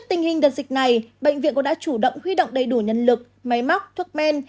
trong dịch này bệnh viện cũng đã chủ động huy động đầy đủ nhân lực máy móc thuốc men